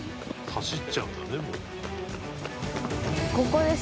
「走っちゃうんだねもう」